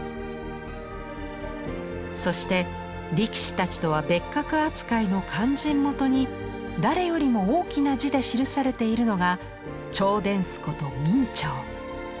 そして力士たちとは別格扱いの「勧進元」に誰よりも大きな字で記されているのが「兆殿司」こと明兆。